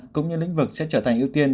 cũng như lĩnh vực sẽ trở thành ưu tiên